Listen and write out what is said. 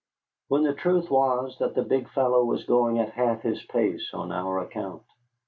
When the truth was that the big fellow was going at half his pace on our account.